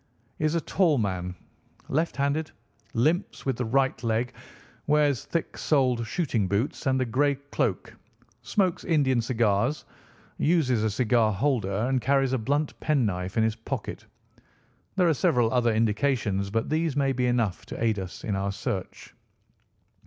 "Is a tall man, left handed, limps with the right leg, wears thick soled shooting boots and a grey cloak, smokes Indian cigars, uses a cigar holder, and carries a blunt pen knife in his pocket. There are several other indications, but these may be enough to aid us in our search."